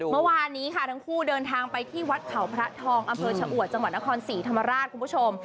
เมื่อวานนี้ค่ะทั้งคู่เดินทางไปที่วัดเขาพระทองอำเภอชะอวดจังหวัดนครศรีธรรมราชคุณผู้ชม